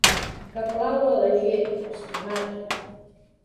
Que plau a la gent, estimat.